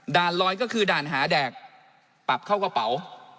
ลอยก็คือด่านหาแดกปรับเข้ากระเป๋า